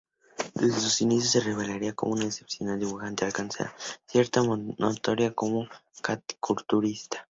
Desde sus inicios se revelaría como un excepcional dibujante, alcanzando cierta notoriedad como caricaturista.